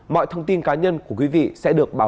mọi thông tin cá nhân của quý vị sẽ được báo